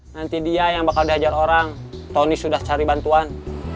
nanti dia yang bakal diajar orang tony sudah cari bantuan